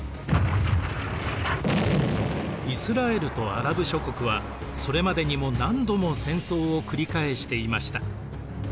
イスラエルとアラブ諸国はそれまでにも何度も戦争を繰り返していました。